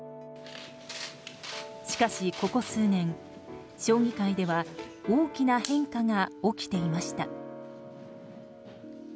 しかしここ数年、将棋界では大きな変化が起きていました。